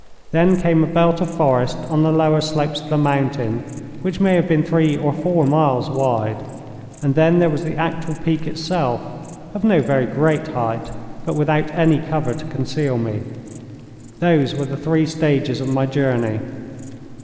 Then came a belt of forest on the lower slopes of the mountain, which may have been three or four miles wide. And then there was the actual peak itself, of no very great height, but without any cover to conceal me. Those were the three stages of my journey.